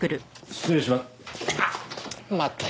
失礼しま。